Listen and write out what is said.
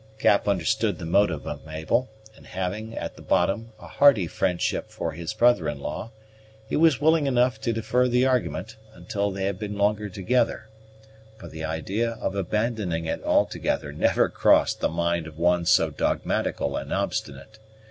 Cap understood the motive of Mabel; and having, at the bottom, a hearty friendship for his brother in law, he was willing enough to defer the argument until they had been longer together, for the idea of abandoning it altogether never crossed the mind of one so dogmatical and obstinate.